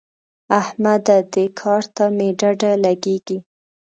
احمده! دې کار ته مې ډډه لګېږي.